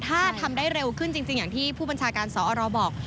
ถ้าทำได้เร็วขึ้นจริงอย่างที่ผู้บัญชาการสอรบอก